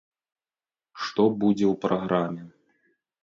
Што будзе ў праграме?